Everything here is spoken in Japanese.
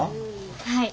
はい。